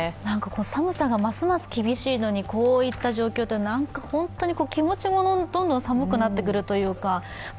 寒さがますます厳しいのにこういった状況というのは、何か本当に気持ちもどんどん寒くなってくるというか。